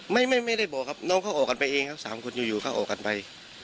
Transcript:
ไม่ได้บอกครับน้องเขาออกกันไปเองครับสามคนอยู่เขาออกกันไป